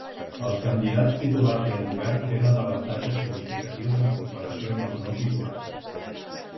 Els candidats titulars i el govern tenen avantatges significatius en comparació amb els no titulars.